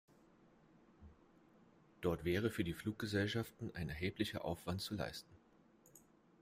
Dort wäre für die Fluggesellschaften ein erheblicher Aufwand zu leisten.